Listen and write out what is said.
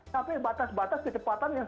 sampai batas batas kecepatan yang